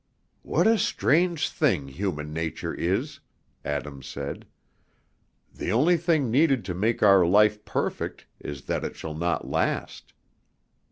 "What a strange thing human nature is!" Adam said. "The only thing needed to make our life perfect is that it shall not last.